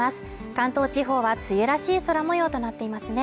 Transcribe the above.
関東地方は梅雨らしい空模様となっていますね